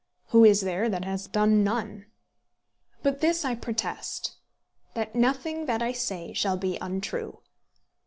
Who is there that has done none? But this I protest; that nothing that I say shall be untrue.